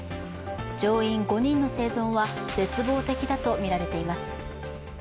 乗員５人の生存は絶望的だとみられています。